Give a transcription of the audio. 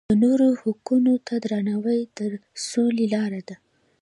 د نورو حقونو ته درناوی د سولې لاره ده.